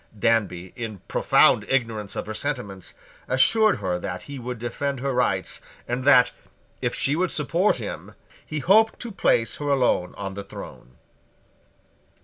Danby, in profound ignorance of her sentiments, assured her that he would defend her rights, and that, if she would support him, he hoped to place her alone on the throne.